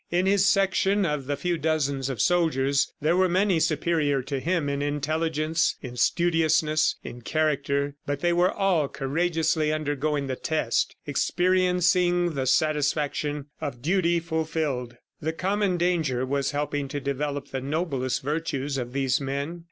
In his section of a few dozens of soldiers there were many superior to him in intelligence, in studiousness, in character; but they were all courageously undergoing the test, experiencing the satisfaction of duty fulfilled. The common danger was helping to develop the noblest virtues of these men.